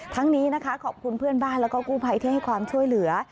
ทั้งนี้นะคะขอบคุณเพื่อนบ้านแล้วก็กู้ภัยที่ให้ความช่วยเหลือ